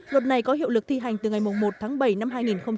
luật này có hiệu lực thi hành từ ngày một tháng bảy năm hai nghìn hai mươi